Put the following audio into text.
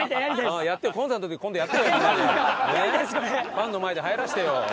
ファンの前ではやらせてよ。